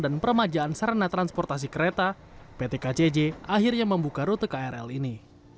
peremajaan sarana transportasi kereta pt kcj akhirnya membuka rute krl ini